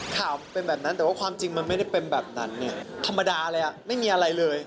ข่าวเป็นแบบนั้นแต่ว่าความจริงมันไม่ได้เป็นแบบนั้นเนี่ยธรรมดาเลยอ่ะไม่มีอะไรเลย